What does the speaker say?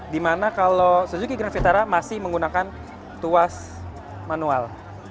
di mana kalau suzuki grand vitara masih menggunakan tuas manual